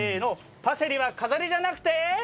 パセリは飾りじゃなくて。